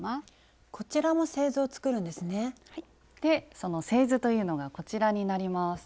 その製図というのがこちらになります。